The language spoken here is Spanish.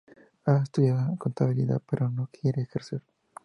Ha estudiado contabilidad, pero no quiere ejercer.